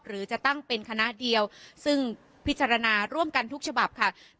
หรือจะตั้งเป็นคณะเดียวซึ่งพิจารณาร่วมกันทุกฉบับค่ะ